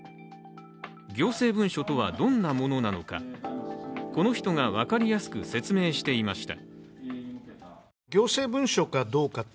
行政文書とはどんなものなのか、この人が分かりやすく説明していました。